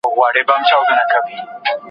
ویلمسن خلګ د شته وسایلو کارولو ته وهڅول.